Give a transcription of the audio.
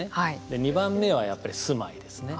で２番目は、やっぱり住まいですね。